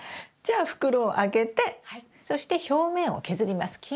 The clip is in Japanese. じゃあ袋を開けてそして表面を削ります。